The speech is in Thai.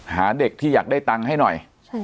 หาเด็กที่อยากได้ตังค์ให้หน่อย